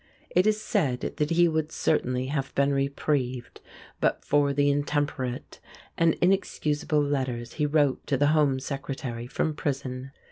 It is said that he would certainly have been reprieved but for the intemperate and inexcusable letters he wrote to the Home Secretary from prison.